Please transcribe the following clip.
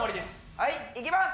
はいいきます。